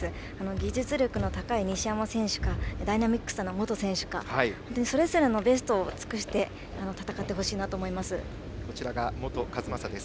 技術力の高い西山選手かダイナミックさの本選手かそれぞれのベストを尽くして戦ってほしいなと思います。